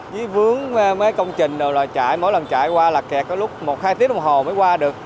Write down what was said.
với vướng mấy công trình đều là chạy mỗi lần chạy qua là kẹt có lúc một hai tiếng đồng hồ mới qua được